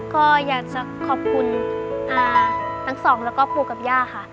ก็อยากจะขอบคุณทั้งสองแล้วก็ปู่กับย่าค่ะ